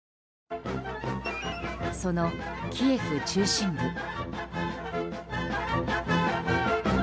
そのキエフ中心部。